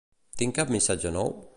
Tinc cap missatge nou?